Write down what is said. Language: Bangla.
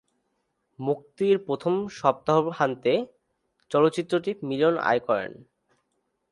মুক্তির প্রথম সপ্তাহান্তে, চলচ্চিত্রটি মিলিয়ন আয় করে।